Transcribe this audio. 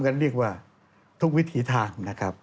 การเรียกมาทุกวิธีทาง